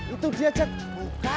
itu di ajak